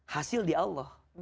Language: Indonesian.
hasil di allah